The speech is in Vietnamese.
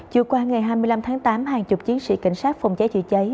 chiều qua ngày hai mươi năm tháng tám hàng chục chiến sĩ cảnh sát phòng cháy chữa cháy